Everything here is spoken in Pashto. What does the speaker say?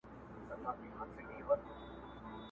o سپور د پلي په حال څه خبر دئ!